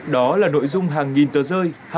đó là nội dung hàng nghìn tờ rơi